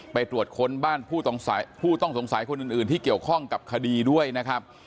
ไปตรวจค้นบ้านผู้ต้องสงสัยคนอื่นที่เกี่ยวข้องกับคดีด้วยนะครับ